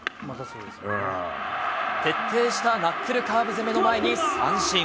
徹底したナックルカーブ攻めの前に、三振。